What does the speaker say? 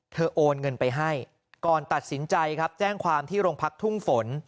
โอนเงินไปให้ก่อนตัดสินใจครับแจ้งความที่โรงพักทุ่งฝน